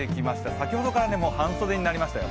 先ほどからもう半袖になりましたよ。